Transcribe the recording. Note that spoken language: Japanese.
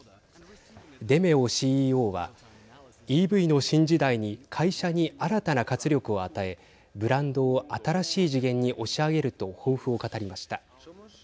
デメオＣＥＯはＥＶの新時代に会社に新たな活力を与えブランドを新しい次元に押し上げると抱負を語りました。